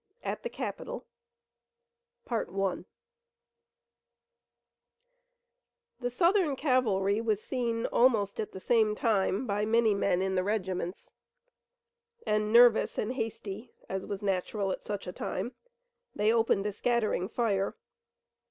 AT THE CAPITAL The Southern cavalry was seen almost at the same time by many men in the regiments, and nervous and hasty, as was natural at such a time, they opened a scattering fire.